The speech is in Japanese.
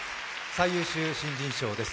最優秀新人賞です。